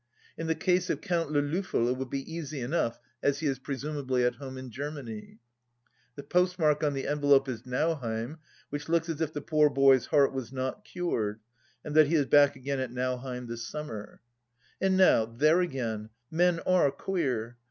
In the case of Count Le Loffel it will be easy enough, as he is presumably at home in Germany ; the postmark on the envelope is Nauheim, which looks as if the poor boy's heart was not cured, and that he is back again at Nauheim this summer. And now, there again, men are queer